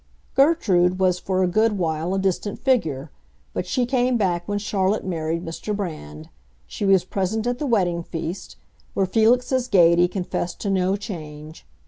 Gertrude was for a good while a distant figure, but she came back when Charlotte married Mr. Brand. She was present at the wedding feast, where Felix's gaiety confessed to no change.